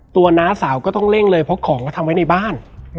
น้าสาวก็ต้องเร่งเลยเพราะของก็ทำไว้ในบ้าน